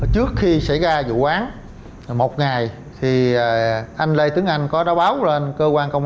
trước khi xảy ra vụ án một ngày thì anh lê tướng anh có đáo báo lên cơ quan công an